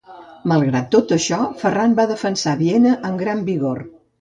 Malgrat tot això, Ferran va defensar Viena amb gran vigor.